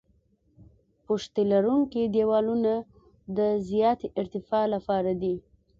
پشتي لرونکي دیوالونه د زیاتې ارتفاع لپاره دي